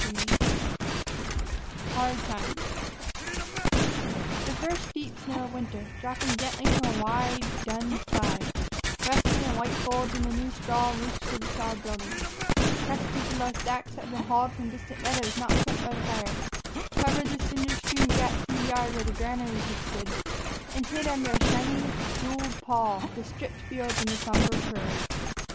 XIV HARD TIMES THE first deep snow of the winter, dropping gently from a wide, dun sky, rested in white folds on the new straw roofs of the sod buildings, crested the low stacks that had been hauled from distant meadows not swept by the fire, covered the cinder strewn gaps in the yard where the granaries had stood, and hid under a shining, jeweled pall the stripped fields and the somber prairie.